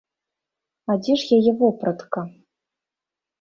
А дзе ж яе вопратка?